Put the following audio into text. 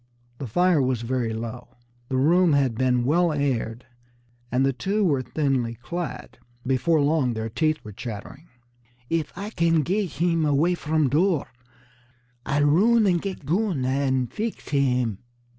The fire was very low, the room had been well aired, and the two were thinly clad. Before long their teeth were chattering. "Eef Ah can get heem away from door, Ah'll roon an' get goon an' feex heem!"